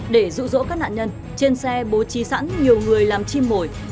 để rụ rỗ các nạn nhân trên xe bố trí sẵn nhiều người làm chim mồi